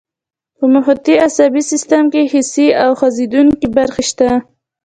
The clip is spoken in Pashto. په محیطي عصبي سیستم کې حسي او خوځېدونکي برخې شته.